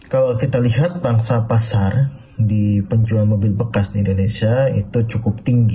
kalau kita lihat bangsa pasar di penjual mobil bekas di indonesia itu cukup tinggi